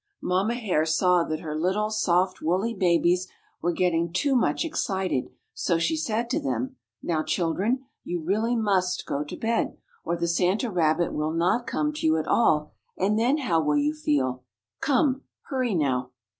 Mamma Hare saw that her little soft, wooly babies were getting too much excited, so she said to them, "Now, children, you really must go to bed, or the Santa rabbit will not come to you at all, and then how will you feel? Come! Hurry, now."